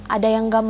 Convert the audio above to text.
ada yang gak mau